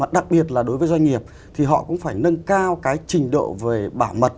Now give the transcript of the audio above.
đặc biệt là đối với doanh nghiệp thì họ cũng phải nâng cao cái trình độ về bảo mật